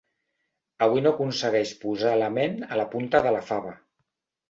Avui no aconsegueix posar la ment a la punta de la fava.